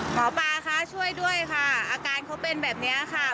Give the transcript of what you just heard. หมอปลาคะช่วยด้วยค่ะอาการเขาเป็นแบบนี้ค่ะ